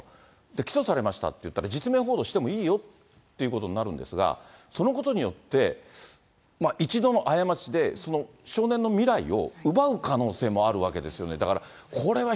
起訴されましたっていったら、実名報道してもいいよっていうことになるんですが、そのことによって、一度の過ちでその少年の未来を奪う可能性もあるわけですよね。